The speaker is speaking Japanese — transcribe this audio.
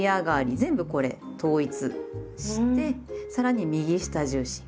全部これ統一してさらに右下重心。